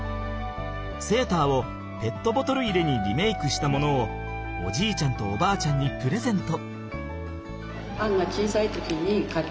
セーターをペットボトル入れにリメイクしたものをおじいちゃんとおばあちゃんにプレゼント。